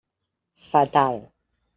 Fatal.